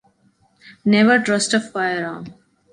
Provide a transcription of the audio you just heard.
Never trust a firearm.